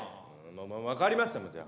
まあまあ分かりましたじゃあ。